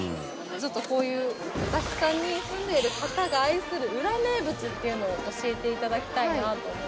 こういう浅草に住んでる方が愛する裏名物っていうのを教えていただきたいなと思って。